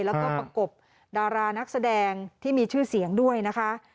แล้วก็ประกบดารานักแสดงที่มีชื่อเสียงด้วยนะคะ